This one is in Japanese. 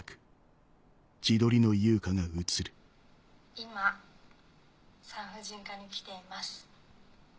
今産婦人科に来ています。